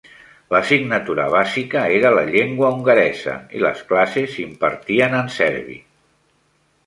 L'assignatura bàsica era la llengua hongaresa i les classes s'impartien en serbi.